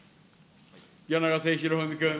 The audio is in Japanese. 柳ヶ瀬裕文君。